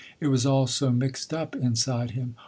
It was all so mixed up inside him.